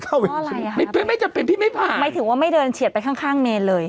เพราะอะไรอ่ะไม่ไม่จำเป็นพี่ไม่ผ่านหมายถึงว่าไม่เดินเฉียดไปข้างข้างเมนเลย